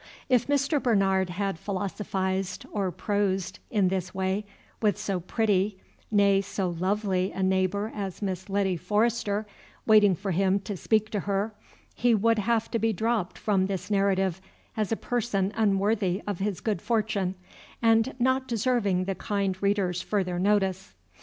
If Mr. Bernard had philosophized or prosed in this way, with so pretty, nay, so lovely a neighbor as Miss Letty Forrester waiting for him to speak to her, he would have to be dropped from this narrative as a person unworthy of his good fortune, and not deserving the kind reader's further notice.